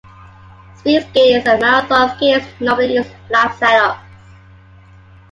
Speed skaters and marathon skaters normally use flat setups.